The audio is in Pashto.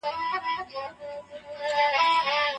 آیا تاسې به په راتلونکي کې څېړنه وکړئ؟